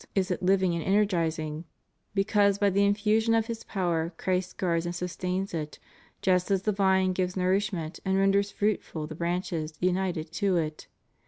353 is it living and energizing, because by the infusion of His power Christ guards and sustains it, just as the vine gives nourishment and renders fruitful the branches united to it.